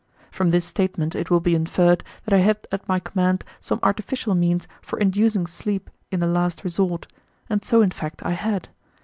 From this statement it will be inferred that I had at my command some artificial means for inducing sleep in the last resort, and so in fact I had.